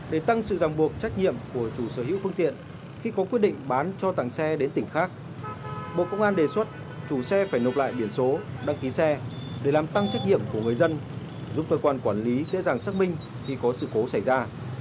để tăng sự ràng buộc trách nhiệm của chủ sở hữu phương tiện khi có quyết định bán cho tặng xe đến tỉnh khác bộ công an đề xuất chủ xe phải nộp lại biển số đăng ký xe để làm tăng trách nhiệm của người dân giúp cơ quan quản lý dễ dàng xác minh khi có sự cố xảy ra